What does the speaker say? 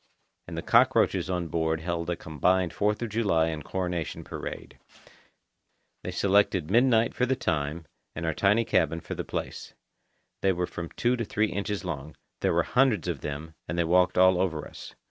And the cockroaches on board held a combined Fourth of July and Coronation Parade. They selected midnight for the time, and our tiny cabin for the place. They were from two to three inches long; there were hundreds of them, and they walked all over us.